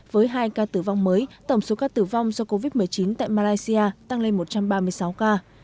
với hai ca tử vong mới tổng số ca tử vong do covid một mươi chín tại malaysia tăng lên một trăm ba mươi sáu ca